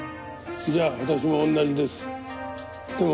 じゃあ私も同じです。